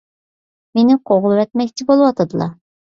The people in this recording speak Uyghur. مېنى قوغلىۋەتمەكچى بولۇۋاتىدىلا.